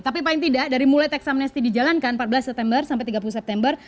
tapi paling tidak dari mulai teks amnesti dijalankan empat belas september sampai tiga puluh september